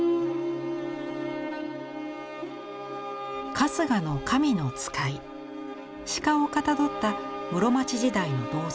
春日の神の使い鹿をかたどった室町時代の銅像。